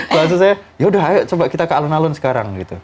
bahasa saya yaudah ayo coba kita ke alun alun sekarang gitu